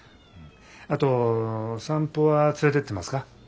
あと散歩は連れてってますか？